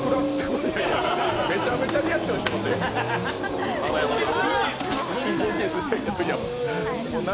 めちゃくちゃリアクションしていますよ花山さん。